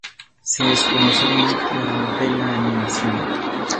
Se desconoce aún al creador de la animación.